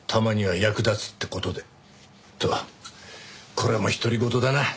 っとこれも独り言だな。